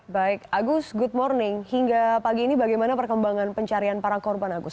baik agus good morning hingga pagi ini bagaimana perkembangan pencarian para korban agus